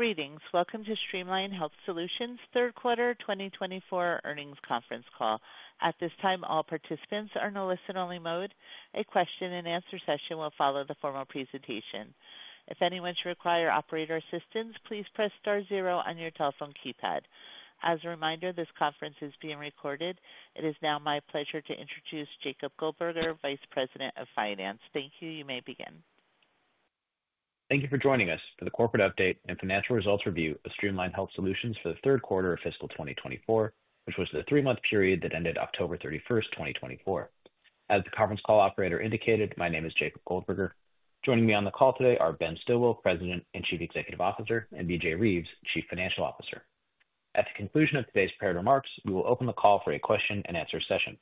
Greetings. Welcome to Streamline Health Solutions' third quarter 2024 earnings conference call. At this time, all participants are in a listen-only mode. A question-and-answer session will follow the formal presentation. If anyone should require operator assistance, please press star zero on your telephone keypad. As a reminder, this conference is being recorded. It is now my pleasure to introduce Jacob Goldberger, Vice President of Finance. Thank you. You may begin. Thank you for joining us for the corporate update and financial results review of Streamline Health Solutions for the third quarter of fiscal 2024, which was the three-month period that ended October 31st, 2024. As the conference call operator indicated, my name is Jacob Goldberger. Joining me on the call today are Ben Stilwill, President and Chief Executive Officer, and B.J. Reeves, Chief Financial Officer. At the conclusion of today's prepared remarks, we will open the call for a question-and-answer session.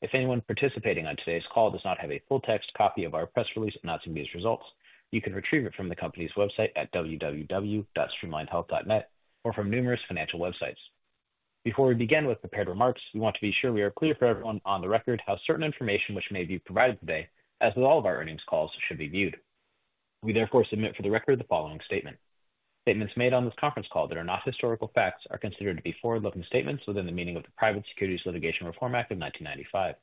If anyone participating on today's call does not have a full-text copy of our press release announcing these results, you can retrieve it from the company's website at www.streamlinehealth.net or from numerous financial websites. Before we begin with prepared remarks, we want to be sure we are clear for everyone on the record how certain information which may be provided today, as with all of our earnings calls, should be viewed. We therefore submit for the record the following statement: Statements made on this conference call that are not historical facts are considered to be forward-looking statements within the meaning of the Private Securities Litigation Reform Act of 1995.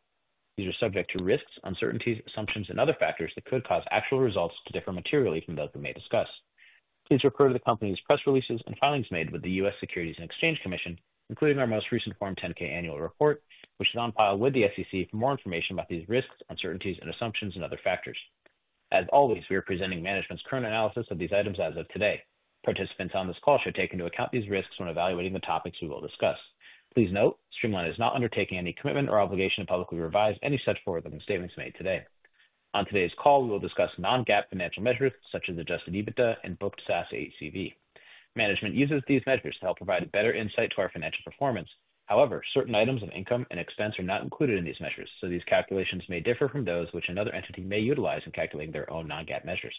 These are subject to risks, uncertainties, assumptions, and other factors that could cause actual results to differ materially from those we may discuss. Please refer to the company's press releases and filings made with the U.S. Securities and Exchange Commission, including our most recent Form 10-K annual report, which is on file with the SEC for more information about these risks, uncertainties, assumptions, and other factors. As always, we are presenting management's current analysis of these items as of today. Participants on this call should take into account these risks when evaluating the topics we will discuss. Please note, Streamline is not undertaking any commitment or obligation to publicly revise any such forward-looking statements made today. On today's call, we will discuss non-GAAP financial measures such as adjusted EBITDA and booked SaaS ACV. Management uses these measures to help provide a better insight to our financial performance. However, certain items of income and expense are not included in these measures, so these calculations may differ from those which another entity may utilize in calculating their own non-GAAP measures.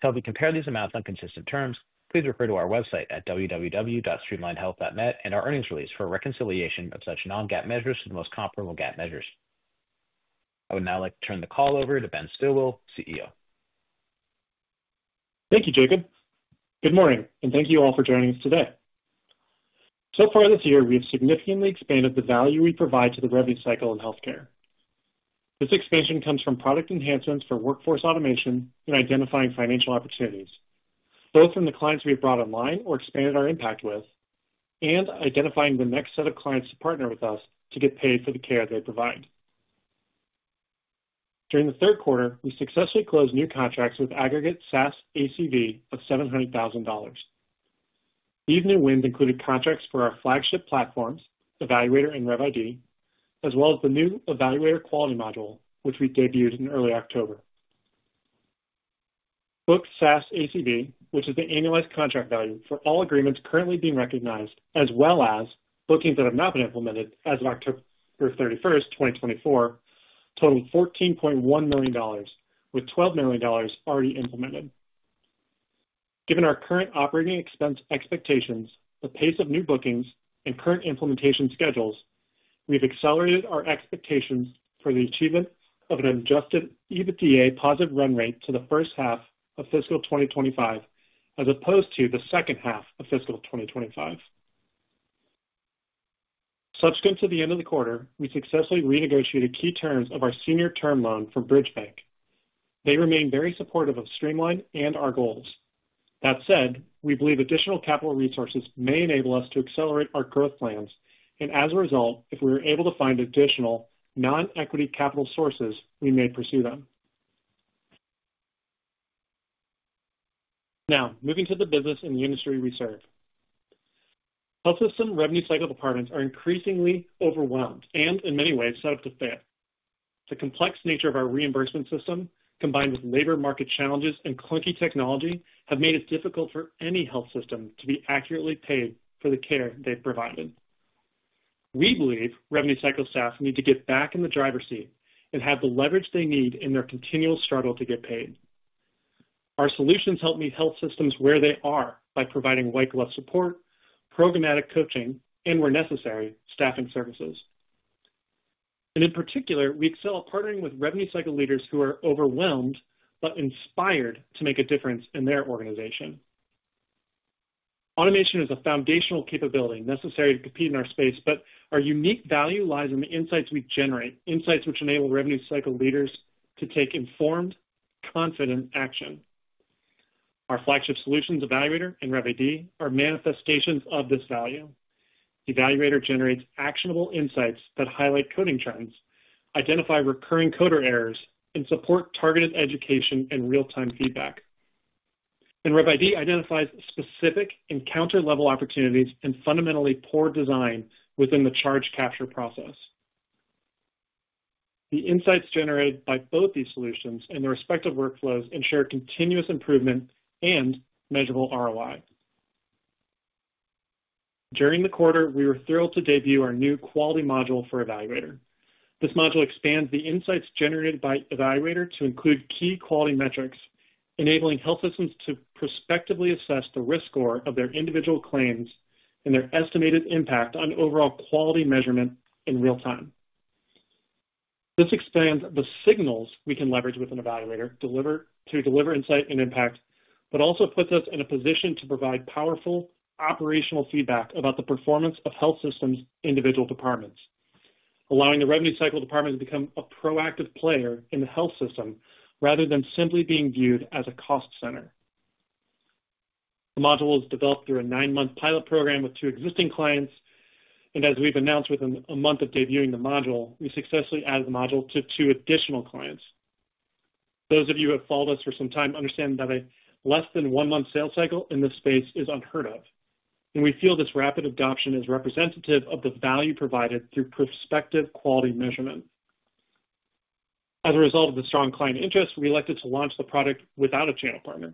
To help you compare these amounts on consistent terms, please refer to our website at www.streamlinehealth.net and our earnings release for a reconciliation of such non-GAAP measures to the most comparable GAAP measures. I would now like to turn the call over to Benjamin Stilwill, CEO. Thank you, Jacob. Good morning, and thank you all for joining us today. So far this year, we have significantly expanded the value we provide to the revenue cycle in healthcare. This expansion comes from product enhancements for workforce automation and identifying financial opportunities, both from the clients we have brought online or expanded our impact with, and identifying the next set of clients to partner with us to get paid for the care they provide. During the third quarter, we successfully closed new contracts with aggregate SaaS ACV of $700,000. These new wins included contracts for our flagship platforms, Evaluator and RevID, as well as the new Evaluator Quality Module, which we debuted in early October. Booked SaaS ACV, which is the annualized contract value for all agreements currently being recognized, as well as bookings that have not been implemented as of October 31st, 2024, totaled $14.1 million, with $12 million already implemented. Given our current operating expense expectations, the pace of new bookings, and current implementation schedules, we have accelerated our expectations for the achievement of an Adjusted EBITDA positive run rate to the first half of fiscal 2025, as opposed to the second half of fiscal 2025. Subsequent to the end of the quarter, we successfully renegotiated key terms of our senior term loan from Bridge Bank. They remain very supportive of Streamline and our goals. That said, we believe additional capital resources may enable us to accelerate our growth plans, and as a result, if we are able to find additional non-equity capital sources, we may pursue them. Now, moving to the business and the industry we serve. Health system revenue cycle departments are increasingly overwhelmed and, in many ways, set up to fail. The complex nature of our reimbursement system, combined with labor market challenges and clunky technology, has made it difficult for any health system to be accurately paid for the care they've provided. We believe revenue cycle staff need to get back in the driver's seat and have the leverage they need in their continual struggle to get paid. Our solutions help meet health systems where they are by providing white-glove support, programmatic coaching, and, where necessary, staffing services, and in particular, we excel at partnering with revenue cycle leaders who are overwhelmed but inspired to make a difference in their organization. Automation is a foundational capability necessary to compete in our space, but our unique value lies in the insights we generate, insights which enable revenue cycle leaders to take informed, confident action. Our flagship solutions, Evaluator and RevID, are manifestations of this value. Evaluator generates actionable insights that highlight coding trends, identify recurring coder errors, and support targeted education and real-time feedback, and RevID identifies specific encounter-level opportunities and fundamentally poor design within the charge capture process. The insights generated by both these solutions and their respective workflows ensure continuous improvement and measurable ROI. During the quarter, we were thrilled to debut our new quality module for Evaluator. This module expands the insights generated by Evaluator to include key quality metrics, enabling health systems to prospectively assess the risk score of their individual claims and their estimated impact on overall quality measurement in real time. This expands the signals we can leverage within Evaluator to deliver insight and impact, but also puts us in a position to provide powerful operational feedback about the performance of health systems' individual departments, allowing the revenue cycle department to become a proactive player in the health system rather than simply being viewed as a cost center. The module was developed through a nine-month pilot program with two existing clients, and as we've announced within a month of debuting the module, we successfully added the module to two additional clients. Those of you who have followed us for some time understand that a less-than-one-month sales cycle in this space is unheard of, and we feel this rapid adoption is representative of the value provided through prospective quality measurement. As a result of the strong client interest, we elected to launch the product without a channel partner.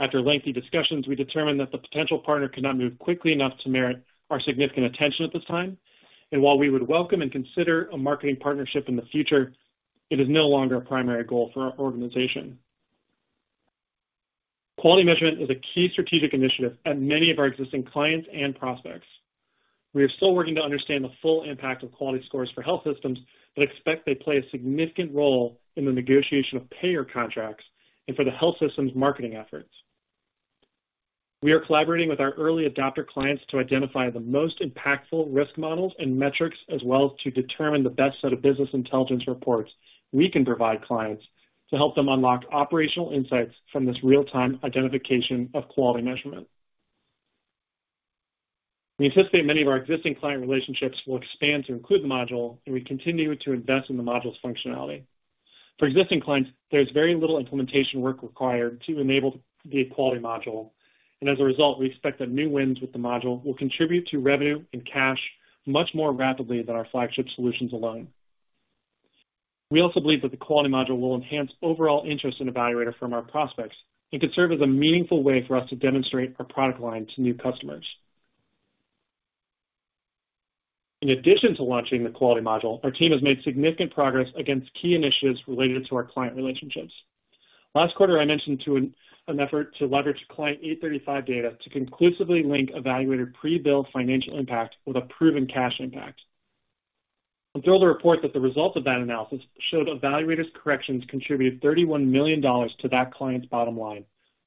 After lengthy discussions, we determined that the potential partner could not move quickly enough to merit our significant attention at this time, and while we would welcome and consider a marketing partnership in the future, it is no longer a primary goal for our organization. Quality measurement is a key strategic initiative at many of our existing clients and prospects. We are still working to understand the full impact of quality scores for health systems, but expect they play a significant role in the negotiation of payer contracts and for the health system's marketing efforts. We are collaborating with our early adopter clients to identify the most impactful risk models and metrics, as well as to determine the best set of business intelligence reports we can provide clients to help them unlock operational insights from this real-time identification of quality measurement. We anticipate many of our existing client relationships will expand to include the module, and we continue to invest in the module's functionality. For existing clients, there is very little implementation work required to enable the quality module, and as a result, we expect that new wins with the module will contribute to revenue and cash much more rapidly than our flagship solutions alone. We also believe that the quality module will enhance overall interest in Evaluator from our prospects and can serve as a meaningful way for us to demonstrate our product line to new customers. In addition to launching the quality module, our team has made significant progress against key initiatives related to our client relationships. Last quarter, I mentioned an effort to leverage client 835 data to conclusively link Evaluator pre-bill financial impact with a proven cash impact. I'm thrilled to report that the results of that analysis showed Evaluator's corrections contributed $31 million to that client's bottom line,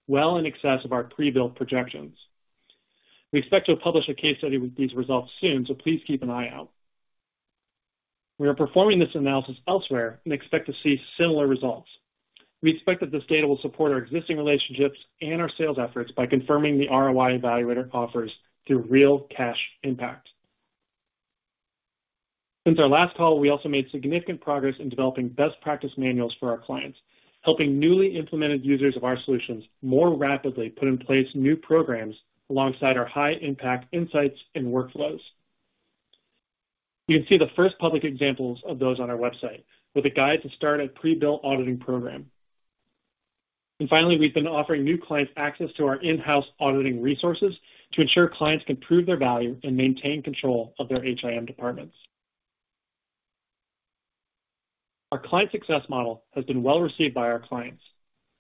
well in excess of our pre-bill projections. We expect to publish a case study with these results soon, so please keep an eye out. We are performing this analysis elsewhere and expect to see similar results. We expect that this data will support our existing relationships and our sales efforts by confirming the ROI Evaluator offers through real cash impact. Since our last call, we also made significant progress in developing best practice manuals for our clients, helping newly implemented users of our solutions more rapidly put in place new programs alongside our high-impact insights and workflows. You can see the first public examples of those on our website, with a guide to start a pre-bill auditing program. And finally, we've been offering new clients access to our in-house auditing resources to ensure clients can prove their value and maintain control of their HIM departments. Our client success model has been well received by our clients,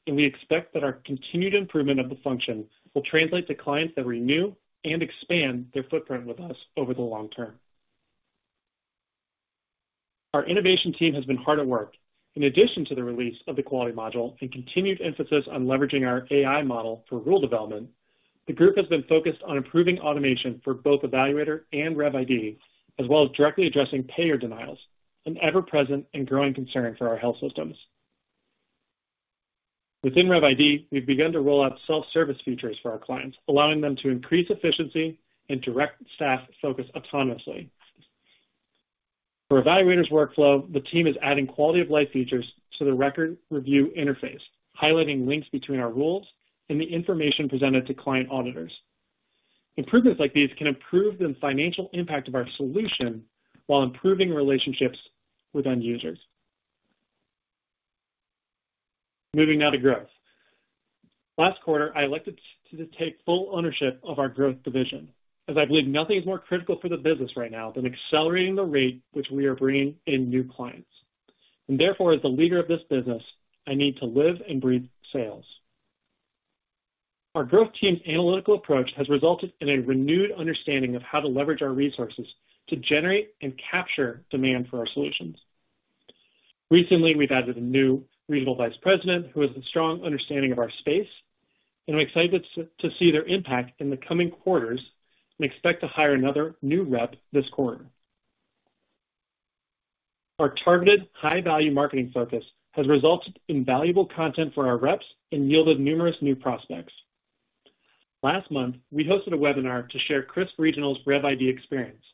and we expect that our continued improvement of the function will translate to clients that renew and expand their footprint with us over the long term. Our innovation team has been hard at work. In addition to the release of the quality module and continued emphasis on leveraging our AI model for rule development, the group has been focused on improving automation for both eValuator and RevID, as well as directly addressing payer denials, an ever-present and growing concern for our health systems. Within RevID, we've begun to roll out self-service features for our clients, allowing them to increase efficiency and direct staff focus autonomously. For Evaluator's workflow, the team is adding quality-of-life features to the record review interface, highlighting links between our rules and the information presented to client auditors. Improvements like these can improve the financial impact of our solution while improving relationships with end users. Moving now to growth. Last quarter, I elected to take full ownership of our growth division, as I believe nothing is more critical for the business right now than accelerating the rate which we are bringing in new clients. And therefore, as the leader of this business, I need to live and breathe sales. Our growth team's analytical approach has resulted in a renewed understanding of how to leverage our resources to generate and capture demand for our solutions. Recently, we've added a new regional vice president who has a strong understanding of our space, and we're excited to see their impact in the coming quarters and expect to hire another new rep this quarter. Our targeted high-value marketing focus has resulted in valuable content for our reps and yielded numerous new prospects. Last month, we hosted a webinar to share Crisp Regional's RevID experience.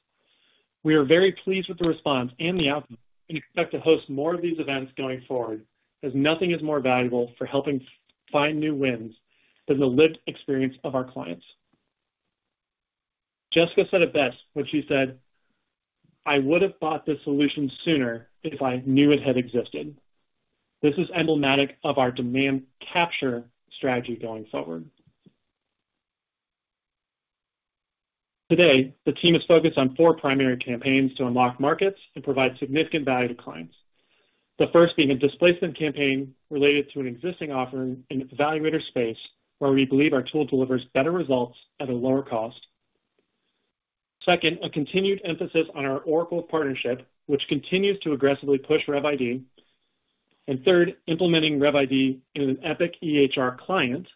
We are very pleased with the response and the outcome and expect to host more of these events going forward, as nothing is more valuable for helping find new wins than the lived experience of our clients. Jessica said it best when she said, "I would have bought this solution sooner if I knew it had existed." This is emblematic of our demand capture strategy going forward. Today, the team is focused on four primary campaigns to unlock markets and provide significant value to clients, the first being a displacement campaign related to an existing offering in the Evaluator space, where we believe our tool delivers better results at a lower cost. Second, a continued emphasis on our Oracle partnership, which continues to aggressively push RevID. And third, implementing RevID in an Epic EHR client.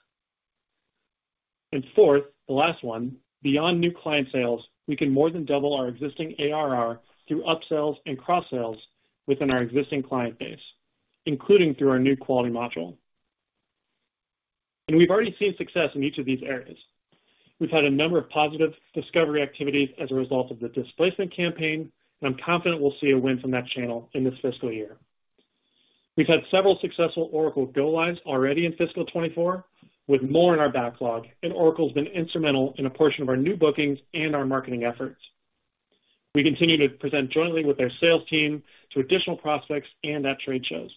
And fourth, the last one, beyond new client sales, we can more than double our existing ARR through upsells and cross-sales within our existing client base, including through our new quality module. And we've already seen success in each of these areas. We've had a number of positive discovery activities as a result of the displacement campaign, and I'm confident we'll see a win from that channel in this fiscal year. We've had several successful Oracle go-lives already in fiscal 2024, with more in our backlog, and Oracle has been instrumental in a portion of our new bookings and our marketing efforts. We continue to present jointly with our sales team to additional prospects and at trade shows.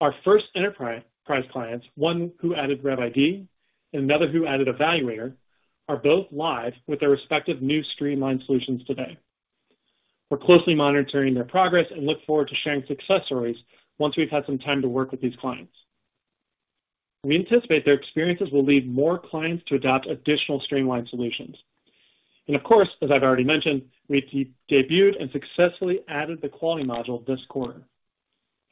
Our first enterprise clients, one who added RevID and another who added Evaluator, are both live with their respective new Streamline solutions today. We're closely monitoring their progress and look forward to sharing success stories once we've had some time to work with these clients. We anticipate their experiences will lead more clients to adopt additional Streamline solutions. And of course, as I've already mentioned, we debuted and successfully added the quality module this quarter.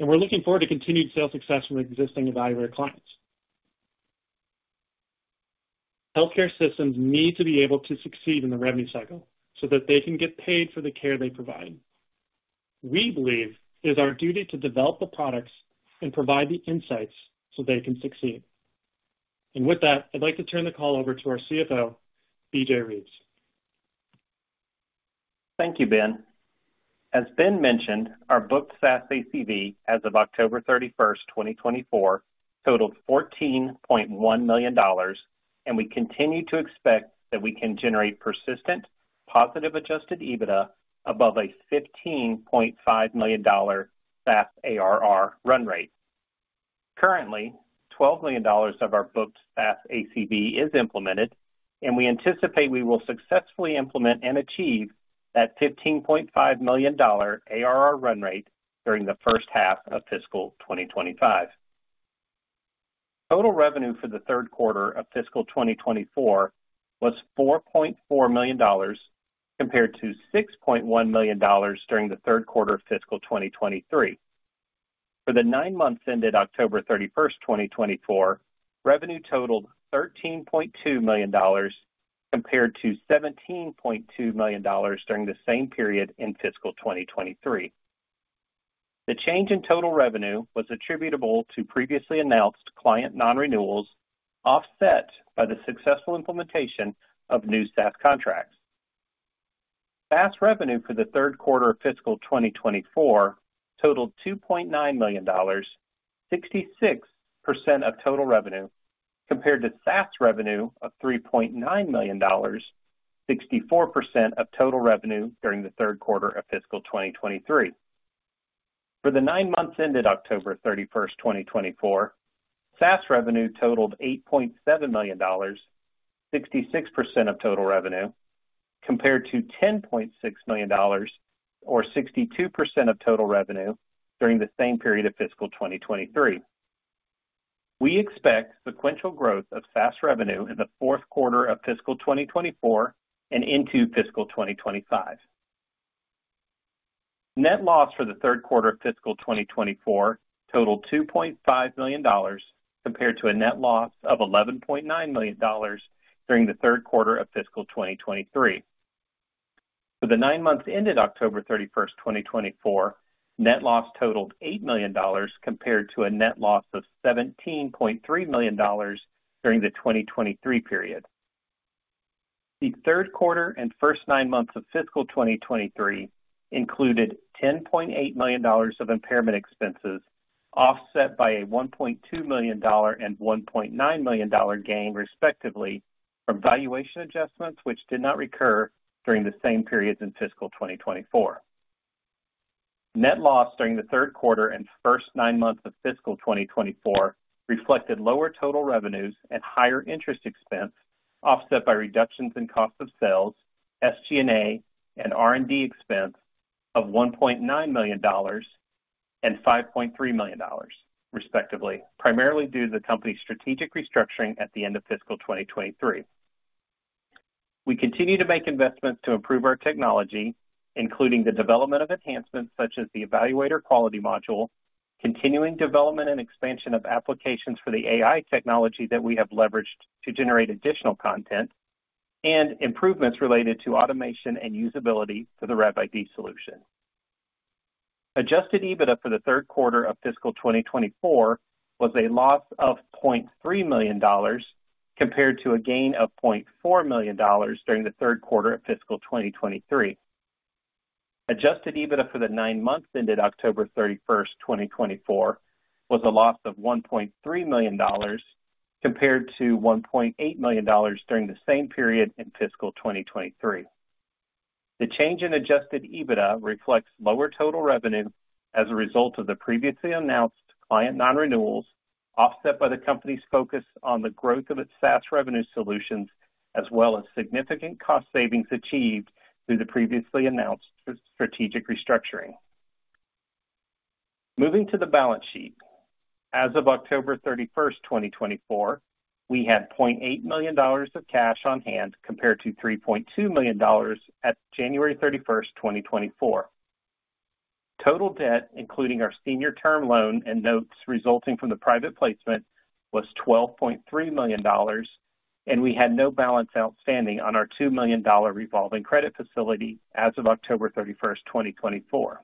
And we're looking forward to continued sales success from existing Evaluator clients. Healthcare systems need to be able to succeed in the revenue cycle so that they can get paid for the care they provide. We believe it is our duty to develop the products and provide the insights so they can succeed. With that, I'd like to turn the call over to our CFO, B.J. Reeves. Thank you, Benjamin. As Ben mentioned, our booked SaaS ACV as of October 31, 2024, totaled $14.1 million, and we continue to expect that we can generate persistent positive adjusted EBITDA above a $15.5 million SaaS ARR run rate. Currently, $12 million of our booked SaaS ACV is implemented, and we anticipate we will successfully implement and achieve that $15.5 million ARR run rate during the first half of fiscal 2025. Total revenue for the third quarter of fiscal 2024 was $4.4 million, compared to $6.1 million during the third quarter of fiscal 2023. For the nine months ended October 31, 2024, revenue totaled $13.2 million, compared to $17.2 million during the same period in fiscal 2023. The change in total revenue was attributable to previously announced client non-renewals offset by the successful implementation of new SaaS contracts. SaaS revenue for the third quarter of fiscal 2024 totaled $2.9 million, 66% of total revenue, compared to SaaS revenue of $3.9 million, 64% of total revenue during the third quarter of fiscal 2023. For the nine months ended October 31, 2024, SaaS revenue totaled $8.7 million, 66% of total revenue, compared to $10.6 million, or 62% of total revenue during the same period of fiscal 2023. We expect sequential growth of SaaS revenue in the fourth quarter of fiscal 2024 and into fiscal 2025. Net loss for the third quarter of fiscal 2024 totaled $2.5 million, compared to a net loss of $11.9 million during the third quarter of fiscal 2023. For the nine months ended October 31, 2024, net loss totaled $8 million, compared to a net loss of $17.3 million during the 2023 period. The third quarter and first nine months of fiscal 2023 included $10.8 million of impairment expenses offset by a $1.2 million and $1.9 million gain, respectively, from valuation adjustments, which did not recur during the same periods in fiscal 2024. Net loss during the third quarter and first nine months of fiscal 2024 reflected lower total revenues and higher interest expense, offset by reductions in cost of sales, SG&A, and R&D expense of $1.9 million and $5.3 million, respectively, primarily due to the company's strategic restructuring at the end of fiscal 2023. We continue to make investments to improve our technology, including the development of enhancements such as the Evaluator Quality Module, continuing development and expansion of applications for the AI technology that we have leveraged to generate additional content, and improvements related to automation and usability for the RevID solution. Adjusted EBITDA for the third quarter of fiscal 2024 was a loss of $0.3 million, compared to a gain of $0.4 million during the third quarter of fiscal 2023. Adjusted EBITDA for the nine months ended October 31, 2024, was a loss of $1.3 million, compared to $1.8 million during the same period in fiscal 2023. The change in adjusted EBITDA reflects lower total revenue as a result of the previously announced client non-renewals, offset by the company's focus on the growth of its SaaS revenue solutions, as well as significant cost savings achieved through the previously announced strategic restructuring. Moving to the balance sheet, as of October 31, 2024, we had $0.8 million of cash on hand compared to $3.2 million at January 31, 2024. Total debt, including our senior term loan and notes resulting from the private placement, was $12.3 million, and we had no balance outstanding on our $2 million revolving credit facility as of October 31, 2024.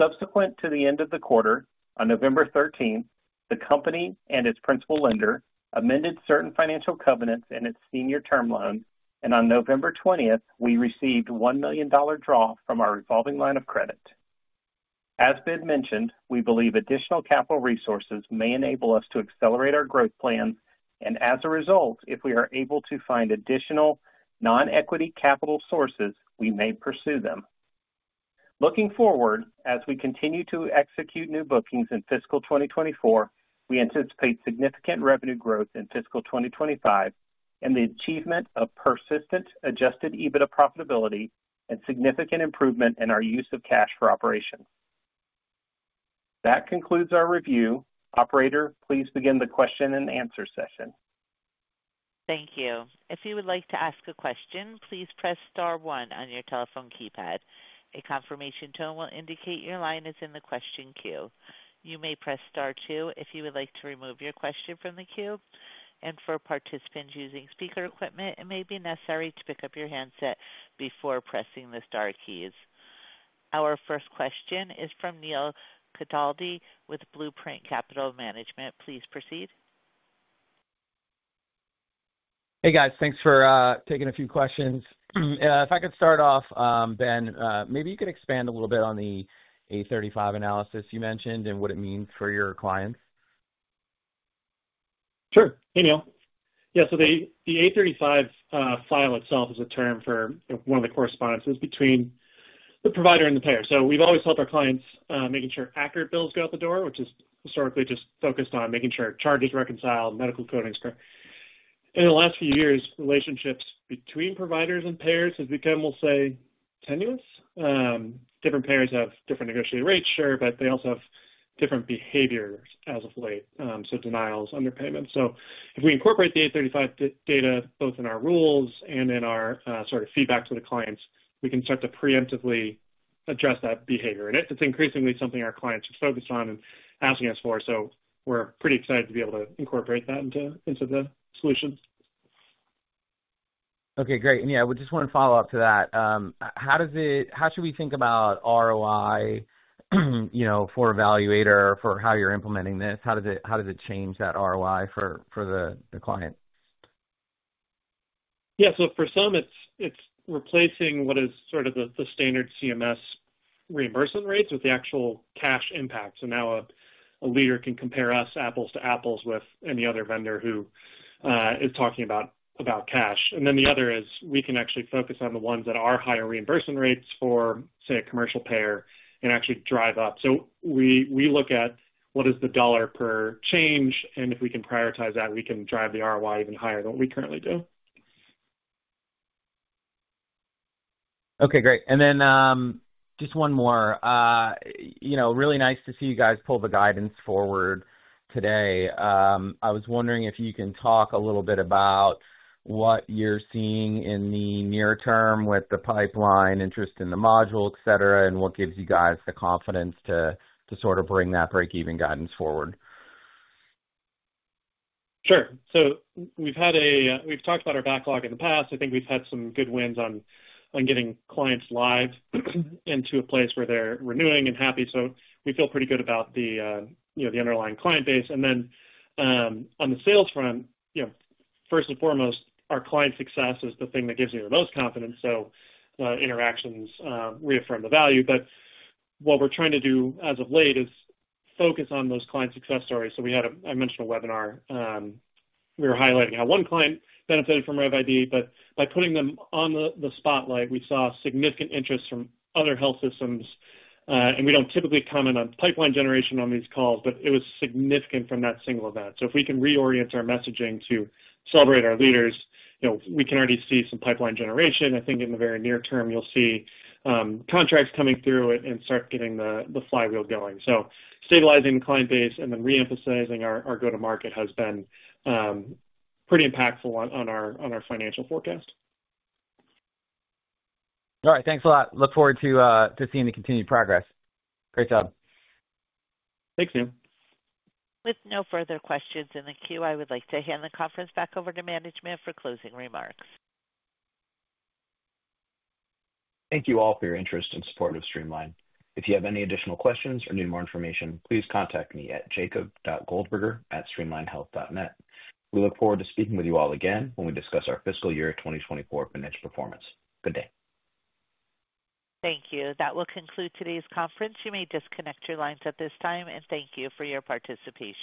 Subsequent to the end of the quarter, on November 13, the company and its principal lender amended certain financial covenants in its senior term loan, and on November 20, we received a $1 million draw from our revolving line of credit. As Ben mentioned, we believe additional capital resources may enable us to accelerate our growth plans, and as a result, if we are able to find additional non-equity capital sources, we may pursue them. Looking forward, as we continue to execute new bookings in fiscal 2024, we anticipate significant revenue growth in fiscal 2025 and the achievement of persistent Adjusted EBITDA profitability and significant improvement in our use of cash for operations. That concludes our review. Operator, please begin the question and answer session. Thank you. If you would like to ask a question, please press star one on your telephone keypad. A confirmation tone will indicate your line is in the question queue. You may press star two if you would like to remove your question from the queue. For participants using speaker equipment, it may be necessary to pick up your handset before pressing the Star keys. Our first question is from Neil Cataldi with Blueprint Capital Management. Please proceed. Hey, guys. Thanks for taking a few questions. If I could start off, Benjamin, maybe you could expand a little bit on the 835 analysis you mentioned and what it means for your clients. Sure. Hey, Neil. Yeah. So the 835 file itself is a term for one of the correspondences between the provider and the payer. So we've always helped our clients making sure accurate bills go out the door, which is historically just focused on making sure charges reconcile, medical coding is correct. In the last few years, relationships between providers and payers have become, we'll say, tenuous. Different payers have different negotiated rates, sure, but they also have different behaviors as of late, so denials, underpayments. So if we incorporate the 835 data both in our rules and in our sort of feedback to the clients, we can start to preemptively address that behavior. And it's increasingly something our clients are focused on and asking us for, so we're pretty excited to be able to incorporate that into the solutions. Okay. Great. And yeah, we just want to follow up to that. How should we think about ROI for Evaluator for how you're implementing this? How does it change that ROI for the client? Yeah. So for some, it's replacing what is sort of the standard CMS reimbursement rates with the actual cash impact. So now a leader can compare us apples to apples with any other vendor who is talking about cash. And then the other is we can actually focus on the ones that are higher reimbursement rates for, say, a commercial payer and actually drive up. So we look at what is the dollar per change, and if we can prioritize that, we can drive the ROI even higher than what we currently do. Okay. Great. And then just one more. Really nice to see you guys pull the guidance forward today. I was wondering if you can talk a little bit about what you're seeing in the near term with the pipeline, interest in the module, etc., and what gives you guys the confidence to sort of bring that break-even guidance forward. Sure. So we've talked about our backlog in the past. I think we've had some good wins on getting clients live into a place where they're renewing and happy. So we feel pretty good about the underlying client base. And then on the sales front, first and foremost, our client success is the thing that gives you the most confidence. So interactions reaffirm the value. But what we're trying to do as of late is focus on those client success stories. So I mentioned a webinar. We were highlighting how one client benefited from RevID, but by putting them on the spotlight, we saw significant interest from other health systems. And we don't typically comment on pipeline generation on these calls, but it was significant from that single event. So if we can reorient our messaging to celebrate our leaders, we can already see some pipeline generation. I think in the very near term, you'll see contracts coming through and start getting the flywheel going. So stabilizing the client base and then reemphasizing our go-to-market has been pretty impactful on our financial forecast. All right. Thanks a lot. Look forward to seeing the continued progress. Great job. Thanks, Neil. With no further questions in the queue, I would like to hand the conference back over to management for closing remarks. Thank you all for your interest and support of Streamline. If you have any additional questions or need more information, please contact me at Jacob.Goldberger@StreamlineHealth.net. We look forward to speaking with you all again when we discuss our fiscal year 2024 financial performance. Good day. Thank you. That will conclude today's conference. You may disconnect your lines at this time, and thank you for your participation.